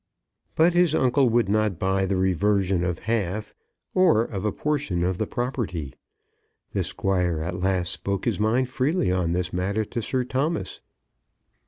But his uncle would not buy the reversion of half or of a portion of the property. The Squire at last spoke his mind freely on this matter to Sir Thomas.